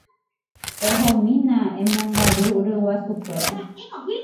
Ehomína emongaru ryguasukuéra.